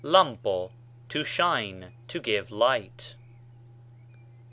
λάμπω, to shine, to give light.